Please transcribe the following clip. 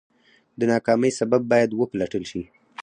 د ناکامۍ سبب باید وپلټل شي.